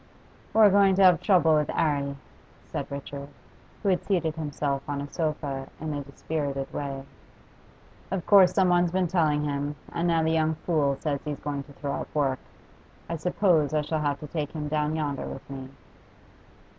'We're going to have trouble with 'Arry,' said Richard, who had seated himself on a sofa in a dispirited way. 'Of course someone's been telling him, and now the young fool says he's going to throw up work. I suppose I shall have to take him down yonder with me.